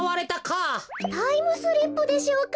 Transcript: タイムスリップでしょうか？